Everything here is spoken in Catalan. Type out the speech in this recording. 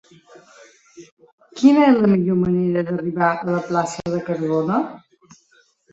Quina és la millor manera d'arribar a la plaça de Cardona?